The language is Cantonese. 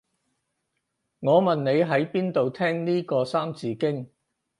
我問你喺邊度聽呢個三字經